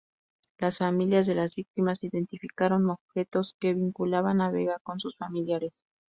Las familias de las víctimas identificaron objetos que vinculaban a Vega con sus familiares.